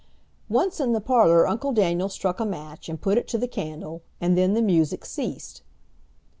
Once in the parlor Uncle Daniel struck a match and put it to the candle, and then the music ceased.